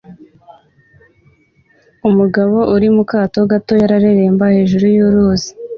Umugabo uri mu kato gato areremba hejuru yuruzi